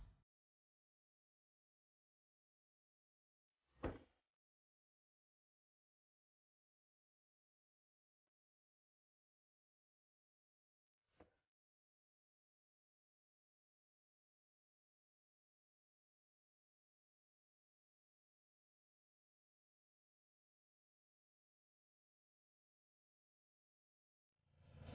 dia sudah ke sini miss